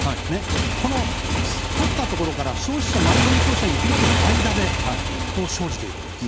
とったところから末端の消費者にいくまでの間で生じているわけです。